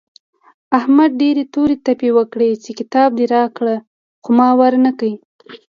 احمد ډېرې تورې تپې وکړې چې کتاب دې راکړه خو ما ور نه کړ.